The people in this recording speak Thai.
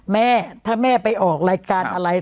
แม่ถ้าแม่ไปออกรายการอะไร